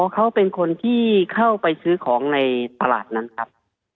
เขาเป็นคนที่เข้าไปซื้อของในตลาดนั้นครับ